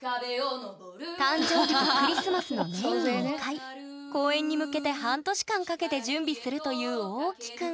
誕生日とクリスマスの年に２回公演に向けて半年間かけて準備するというおうきくん